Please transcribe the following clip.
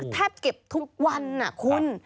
เก็บทุกวันคุณ